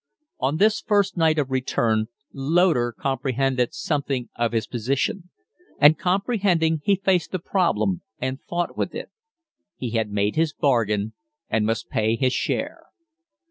On this first night of return Loder comprehended something of his position; and, comprehending, he faced the problem and fought with it. He had made his bargain and must pay his share.